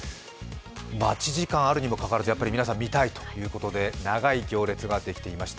待ち時間があるにもかかわらず皆さん、見たいということで長い行列ができていました。